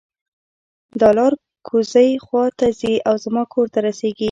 دا لار کوزۍ خوا ته ځي او زما کور ته رسیږي